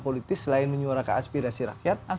politis selain menyuarakan aspirasi rakyat